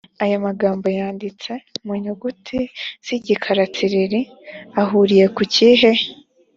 aya magambo yanditse mu nyuguti z igikara tsiriri ahuriye ku kihe